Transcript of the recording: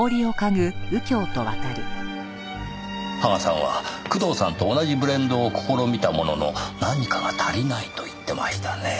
羽賀さんは工藤さんと同じブレンドを試みたものの何かが足りないと言ってましたねぇ。